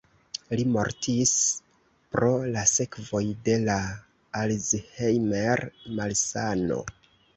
Li mortis pro la sekvoj de la Alzheimer-malsano.